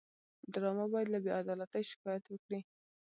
ډرامه باید له بېعدالتۍ شکایت وکړي